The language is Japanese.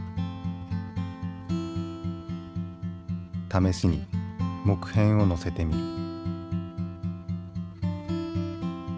試しに木片をのせてみる。